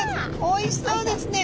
おいしそうですね。